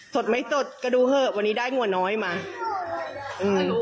สดไม่สดก็ดูเถอะวันนี้ได้งัวน้อยมาอืม